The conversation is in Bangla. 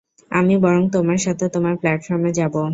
আমি বরং তোমার সাথে তোমার প্ল্যাটফর্মে যাবো।